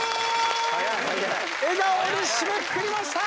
笑顔で締めくくりました！